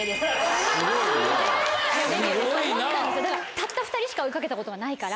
たった２人しか追い掛けたことはないから。